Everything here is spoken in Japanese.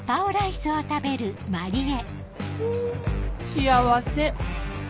幸せ。